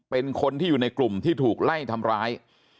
เป็นคนที่อยู่ในกลุ่มที่ถูกไล่ทำร้าย